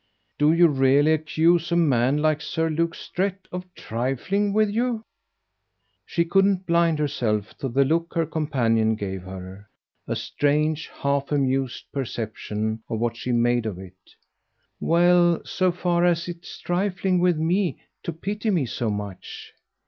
"Do you really accuse a man like Sir Luke Strett of trifling with you?" She couldn't blind herself to the look her companion gave her a strange half amused perception of what she made of it. "Well, so far as it's trifling with me to pity me so much."